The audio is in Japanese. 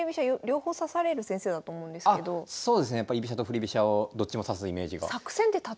そうですねやっぱ居飛車と振り飛車をどっちも指すイメージが。